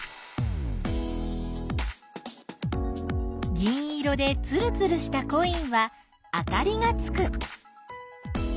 銀色でつるつるしたコインはあかりがつく。